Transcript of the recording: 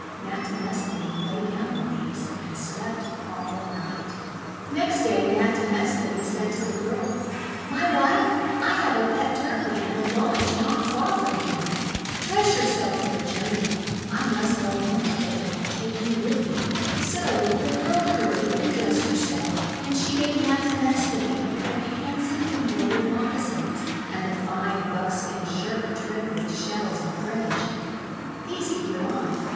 Natinesthani lay down on these, and slept all night. Next day, Natinesthani said to the girl :— "My Wife, I have a pet Turkey and a lodge not far from here. Dress yourself for a journey. PET TURKEY'S FEELINGS HURT 369 I must go home to day and take you with me.5 So the girl hurried and dressed herself, and she gave Natinesthani a pair of handsome em broidered moccasins and the fine buckskin shirt trimmed with shells and fringe. These he put on.